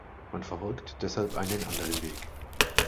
Man verfolgt deshalb einen anderen Weg.